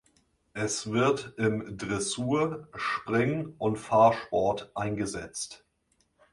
Es wird im Dressur-, Spring- und Fahrsport eingesetzt.